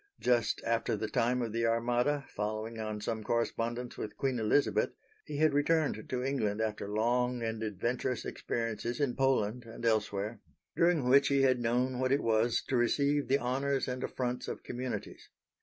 Just after the time of the Armada, following on some correspondence with Queen Elizabeth, he had returned to England after long and adventurous experiences in Poland and elsewhere, during which he had known what it was to receive the honours and affronts of communities.